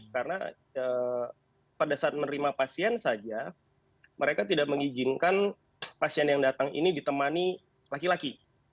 karena pada saat menerima pasien saja mereka tidak mengizinkan pasien yang datang ini ditemani laki laki